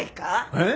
えっ？